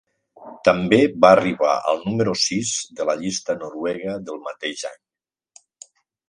També va arribar al número sis de la llista noruega del mateix any.